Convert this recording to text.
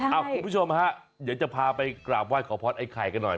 พี่ผู้ชมคุณจะพาไปกราบไหว้ขอบคตไอ้ไข่กันหน่อย